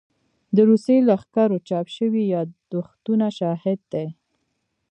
د روسي لښکرو چاپ شوي يادښتونه شاهد دي.